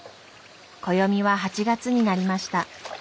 暦は８月になりました。